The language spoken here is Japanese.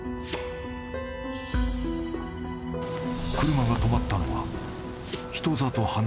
［車が止まったのは］